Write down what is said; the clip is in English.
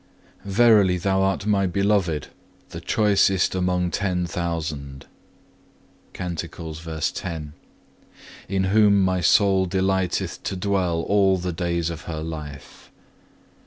2. Verily Thou art my Beloved, the choicest among ten thousand,(2) in whom my soul delighteth to dwell all the days of her life.